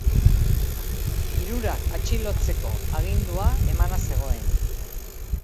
Hirurak atxilotzeko agindua emana zegoen.